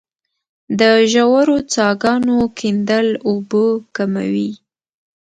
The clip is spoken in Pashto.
د ژورو څاګانو کیندل اوبه کموي